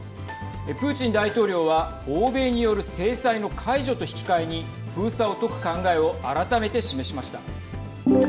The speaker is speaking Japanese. プーチン大統領は、欧米による制裁の解除と引き換えに封鎖を解く考えを改めて示しました。